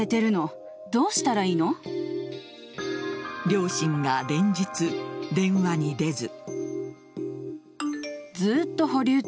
両親が連日、電話に出ず。